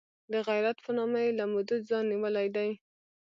د غیرت په نامه یې له مودو ځان نیولی دی.